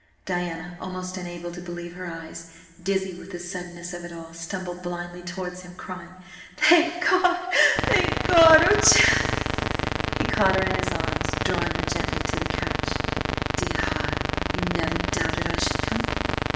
Diana, almost unable to believe her eyes, dizzy with the suddenness of it all, stumbled blindly towards him, crying: "Thank God! Thank God! Oh, Jack!" He caught her in his arms, drawing her gently to the couch. "Dear heart, you never doubted I should come?"